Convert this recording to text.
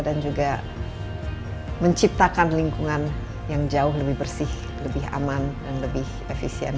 dan juga menciptakan lingkungan yang jauh lebih bersih lebih aman dan lebih efisien